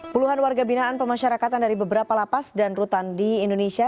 puluhan warga binaan pemasyarakatan dari beberapa lapas dan rutan di indonesia